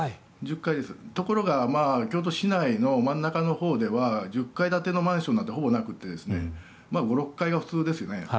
ところが京都市内の真ん中のほうでは１０階建てのマンションなんてほぼなくて５６階が普通ですよね。